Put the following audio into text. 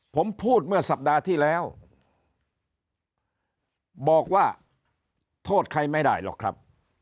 ผมพูดเมื่อสัปดาห์ที่แล้วบอกว่าโทษใครไม่ได้หรอกครับ